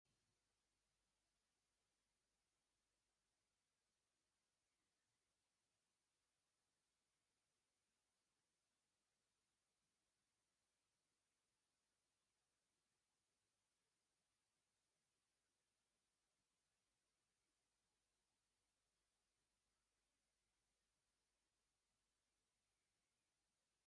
no audio